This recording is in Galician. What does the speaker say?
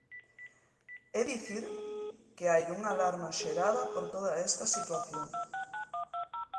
É dicir, que hai unha alarma xerada por toda esta situación.